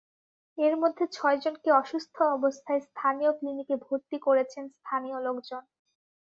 এর মধ্যে ছয়জনকে অসুস্থ অবস্থায় স্থানীয় ক্লিনিকে ভর্তি করেছেন স্থানীয় লোকজন।